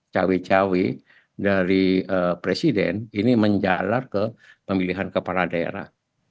cawe cawe dari presiden ini menjalar ke pemilihan kepala daerah